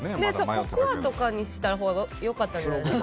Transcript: ココアとかにしたほうが良かったんじゃないですか？